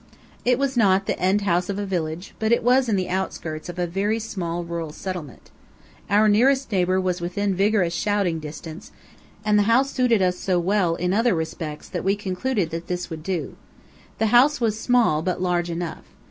It was not the end house of a village, but it was in the outskirts of a very small rural settlement. Our nearest neighbor was within vigorous shouting distance, and the house suited us so well in other respects, that we concluded that this would do. The house was small, but large enough.